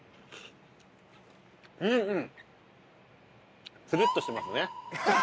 うんうん！